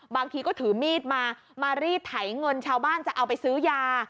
บางทีก็ถือมีดมามารีดไถเงินชาวบ้านจะเอาไปซื้อยา